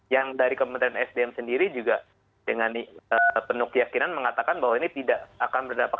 yang dari kementerian sdm sendiri juga dengan penuh keyakinan mengatakan bahwa ini tidak akan berdampak